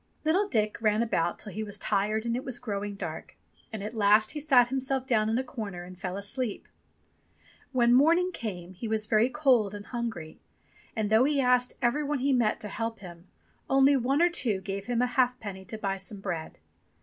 Little Dick ran about till he was tired and it was growing dark. And at last he sat himself down in a corner and fell asleep. When morning came he was very cold and hungry, and though he asked every one he met to help him, only one or two gave him a halfpenny to buy some bread.